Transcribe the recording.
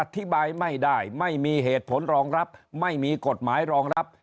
อธิบายไม่ได้ไม่มีเหตุผลรองรับไม่มีกฎหมายรองรับ